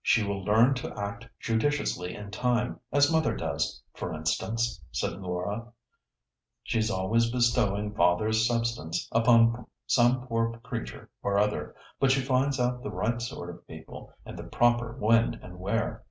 "She will learn to act judiciously in time, as mother does, for instance," said Laura. "She's always bestowing father's substance upon some poor creature or other; but she finds out the right sort of people, and the proper when and where."